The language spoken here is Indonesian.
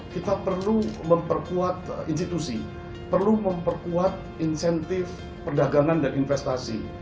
kita perlu memperkuat institusi perlu memperkuat insentif perdagangan dan investasi